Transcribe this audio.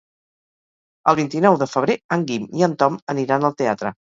El vint-i-nou de febrer en Guim i en Tom aniran al teatre.